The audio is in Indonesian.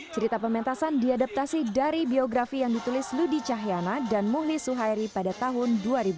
cerita pementasan diadaptasi dari biografi yang ditulis ludi cahyana dan muhni suhairi pada tahun dua ribu dua